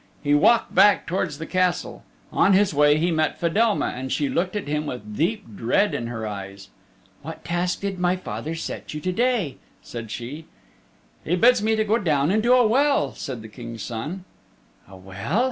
He walked back towards the Castle. On his way he met Fedelma, and she looked at him with deep dread in her eyes. "What task did my father set you to day?" said she. "He bids me go down into a well," said the King's Son. "A well!"